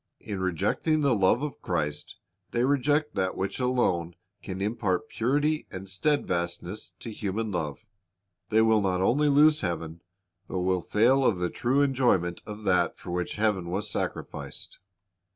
In rejecting the love of Christ they reject that which alone can impart purity and steadfastness to human love. They will not only lose heaven, but will fail of the true enjoy ment of that for which heaven was sacrificed.